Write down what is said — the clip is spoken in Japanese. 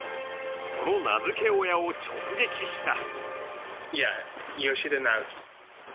その名づけ親を直撃した。